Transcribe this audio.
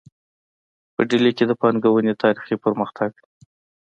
په ډیلي کې د پانګونې تاریخي پرمختګ